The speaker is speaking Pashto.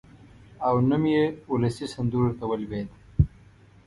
او نوم یې اولسي سندرو ته ولوېد.